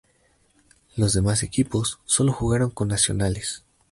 Los demás equipos, sólo jugaron con nacionales.